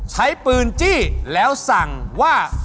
ใช้ปืนจี้แล้วสั่งว่า